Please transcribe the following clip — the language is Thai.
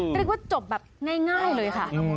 เรียกว่าจบแบบง่ายเลยค่ะ